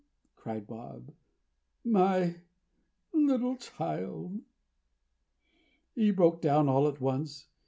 cried Bob. "My little child!" He broke down all at once.